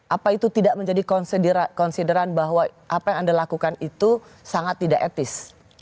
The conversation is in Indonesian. apa itu tidak menjadi konsideran bahwa apa yang anda lakukan itu sangat tidak etis